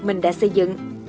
mình đã xây dựng